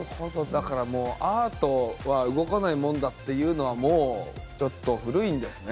だからもうアートは動かないものだっていうのはもうちょっと古いんですね。